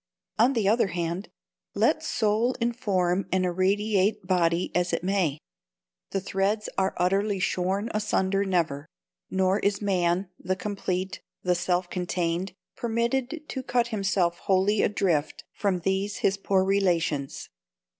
On the other hand, let soul inform and irradiate body as it may, the threads are utterly shorn asunder never: nor is man, the complete, the self contained, permitted to cut himself wholly adrift from these his poor relations.